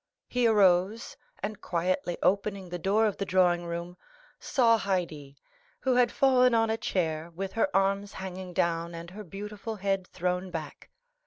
He arose, and quietly opening the door of the drawing room, saw Haydée, who had fallen on a chair, with her arms hanging down and her beautiful head thrown back.